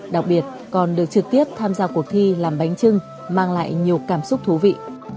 đặc biệt còn được trực tiếp tham gia cuộc thi làm bánh trưng mang lại nhiều cảm xúc thú vị